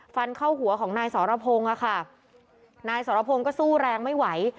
ฟันเข้าหัวของนายสรพงศ์อะค่ะนายสรพงศ์ก็สู้แรงไม่ไหว